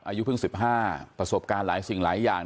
อายุเพิ่ง๑๕ประสบการณ์หลายสิ่งหลายอย่าง